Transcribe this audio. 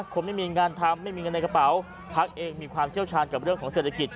คนไม่มีงานทำไม่มีเงินในกระเป๋าพักเองมีความเชี่ยวชาญกับเรื่องของเศรษฐกิจ